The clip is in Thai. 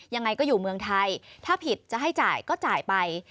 ยังไงก็อยู่เมืองไทยถ้าผิดจะให้จ่ายก็จ่ายไป